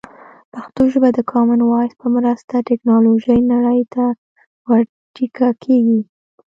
پښتو ژبه د کامن وایس په مرسته د ټکنالوژۍ نړۍ ته ور ټيکه کېږي.